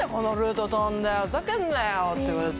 「ふざけんなよ！」って言われて。